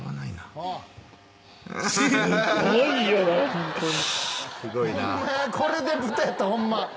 ホンマこれで豚やったらホンマ